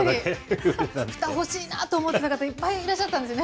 ふた欲しいなって思ってた方、いっぱいいらっしゃったんですね。